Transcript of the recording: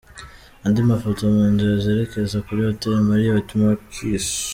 Andi mafoto: Mu nzira zerekeza kuri Hotel Marriot Marquis.